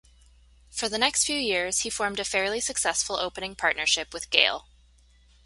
For the next few years he formed a fairly successful opening partnership with Gayle.